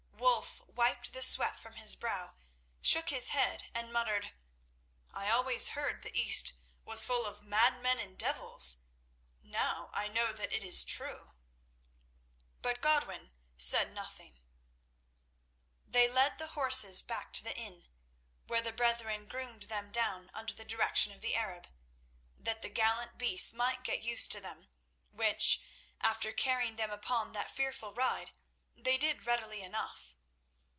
Wulf wiped the sweat from his brow, shook his head, and muttered: "I always heard the East was full of madmen and devils; now I know that it is true." But Godwin said nothing. They led the horses back to the inn, where the brethren groomed them down under the direction of the Arab, that the gallant beasts might get used to them, which, after carrying them upon that fearful ride, they did readily enough.